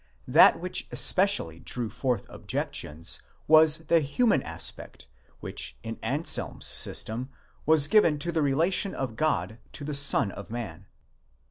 That which especially drew forth ob jections was the human aspect which in Anselm's system was given to the relation of God to the Son of man.